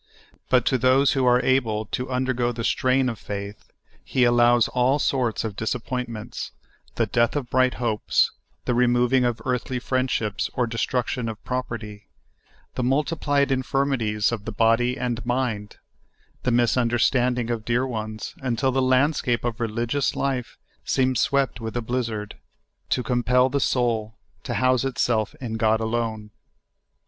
But to those who are able to undergo the strain of faith, He allows all sorts of disappointments — the death of bright hopes, the removing of earthly friendships or destruction of property, the multiplied infirmities of the bod}^ and mind, the misunderstanding of dear ones, until the landscape of religious life seems sw^ept with a blizzard, to compel the soul to house itself in God alone.